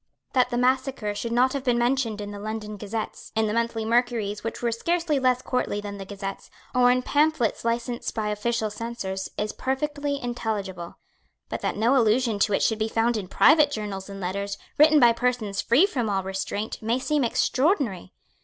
That the massacre should not have been mentioned in the London Gazettes, in the Monthly Mercuries which were scarcely less courtly than the Gazettes, or in pamphlets licensed by official censors, is perfectly intelligible. But that no allusion to it should be found in private journals and letters, written by persons free from all restraint, may seem extraordinary.